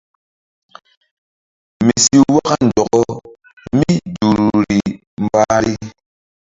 Mi si waka nzɔkɔ mí duhruri mbahri.